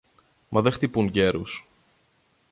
μα δε χτυπούν γέρους!